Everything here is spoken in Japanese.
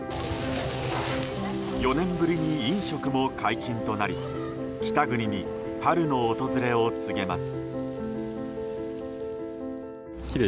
４年ぶりに飲食も解禁となり北国に春の訪れを告げます。